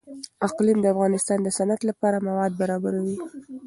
اقلیم د افغانستان د صنعت لپاره مواد برابروي.